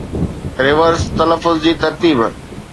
reverse تلفظ جي ترتيب